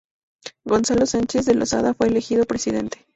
Gonzalo Sánchez de Lozada fue elegido presidente.